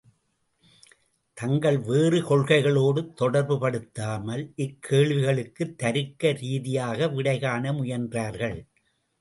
தங்கள் வேறு கொள்கைகளோடு தொடர்புபடுத்தாமல் இக்கேள்விகளுக்கு தருக்க ரீதியாக விடைகாண முயன்றார்கள்.